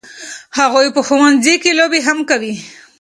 هغوی په ښوونځي کې لوبې هم کوي.